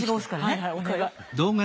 はいはいお願い。